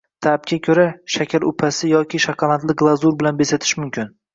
Ta’bga ko‘ra, shakar upasi yoki shokoladli glazur bilan bezatish mumkin